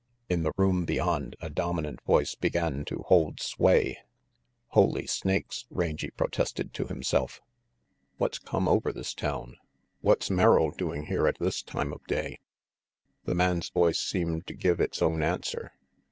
In the room beyond a dominant voice began to hold sway. "Holy snakes!" Rangy protested to himself. 252 RANGY PETE " What's come over this town? What's Merrill doing here at this time of day?" The man's voice seemed to give its own answer.